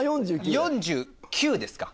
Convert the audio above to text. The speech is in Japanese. ４９ですか。